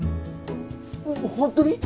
ホントに？